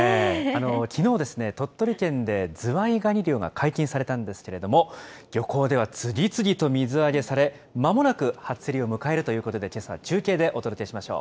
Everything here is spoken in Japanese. きのうですね、鳥取県でズワイガニ漁が解禁されたんですけれども、漁港では次々と水揚げされ、まもなく初競りを迎えるということで、けさは中継でお届けしましょう。